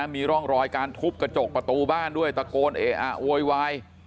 มีร่องรอยการทุบกระจกประตูบ้านด้วยตะโกนเออะโวยวาย